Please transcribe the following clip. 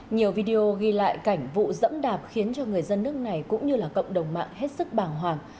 nhiều video ghi lại cảnh vụ dẫm đạp khiến cho người dân nước này cũng như là cộng đồng mạng hết sức bàng hoàng